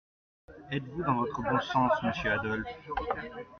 Êtes-vous dans votre bon sens, monsieur Adolphe ?